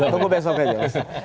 tunggu besok ya